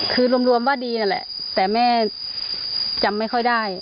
คือรวมว่าดีนั่นแหละแต่แม่จำไม่ค่อยได้